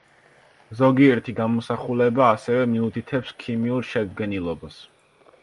ზოგიერთი გამოსახულება ასევე მიუთითებს ქიმიურ შედგენილობას.